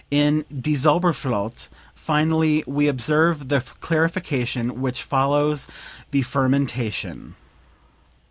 In "Die Zauberflote," finally, we observe the clarification which follows the fermentation.